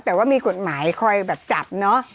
แต่ว่ามีกฎหมายคอยแบบจับเนอะ